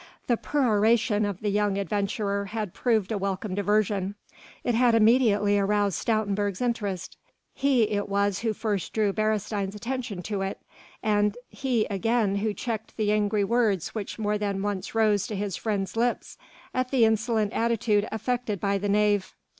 The peroration of the young adventurer had proved a welcome diversion: it had immediately aroused Stoutenburg's interest. He it was who first drew Beresteyn's attention to it, and he again who checked the angry words which more than once rose to his friend's lips at the insolent attitude affected by the knave.